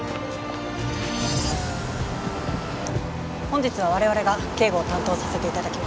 本日は我々が警護を担当させて頂きます。